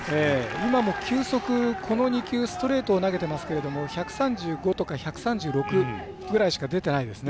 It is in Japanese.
今も球速、この２球ストレートを投げていますけど１３５とか１３６ぐらいしか出てないですね。